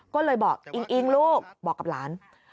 ก็เลยบอกอิงลูกบอกกับล้าน